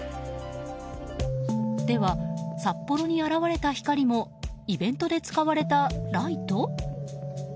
では、札幌に現れた光もイベントで使われたライト？